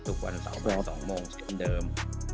ทุกวันเสาร์มัน๒โมงเช่นเดิม